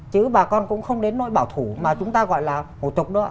chứ bà con cũng không đến nỗi bảo thủ mà chúng ta gọi là hủ tục đó ạ